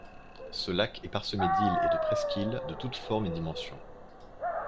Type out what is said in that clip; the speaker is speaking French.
Ce lac est parsemé d'îles et de presqu'îles de toutes formes et dimensions.